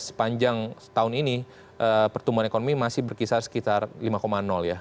dan sepanjang tahun ini pertumbuhan ekonomi masih berkisar sekitar lima ya